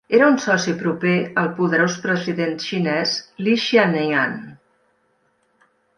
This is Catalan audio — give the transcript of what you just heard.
Era un soci proper al poderós president xinés Li Xiannian.